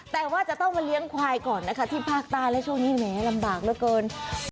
แต่ว่าจะต้องมาเลี้ยงควายก่อนนะคะที่ภาคใต้และช่วงนี้แหมลำบากเหลือเกิน